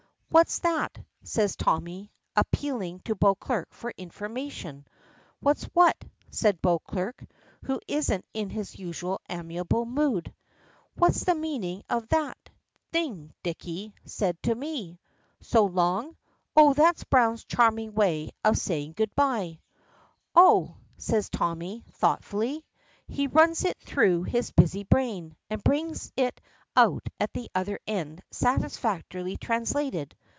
"What's that?" says Tommy, appealing to Beauclerk for information. "What's what?" says Beauclerk, who isn't in his usual amiable mood. "What's the meaning of that thing Dicky said to me?" "'So long?' Oh that's Browne's charming way of saying good bye." "Oh!" says Tommy, thoughtfully. He runs it through his busy brain, and brings it out at the other end satisfactorily translated.